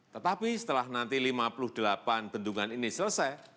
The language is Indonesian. tetapi setelah nanti lima puluh delapan bendungan ini selesai